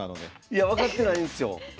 いや分かってないんですよ。